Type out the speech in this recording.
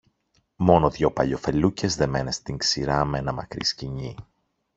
Μόνο δυο παλιοφελούκες δεμένες στην ξηρά μ' ένα μακρύ σκοινί